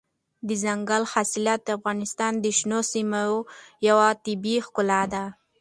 دځنګل حاصلات د افغانستان د شنو سیمو یوه طبیعي ښکلا ده.